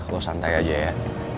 lo santai aja ya